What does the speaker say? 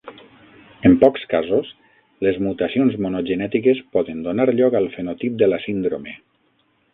En pocs casos, les mutacions monogenètiques poden donar lloc al fenotip de la síndrome.